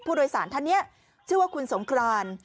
ผู้โดยสารท่านนี้ชื่อว่าคุณสงคราน